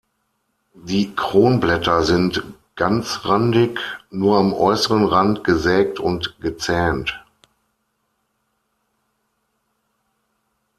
Die Kronblätter sind ganzrandig, nur am äußeren Rand gesägt und gezähnt.